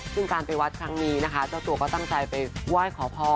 ซึ่งการไปวัดครั้งนี้นะคะเจ้าตัวก็ตั้งใจไปไหว้ขอพร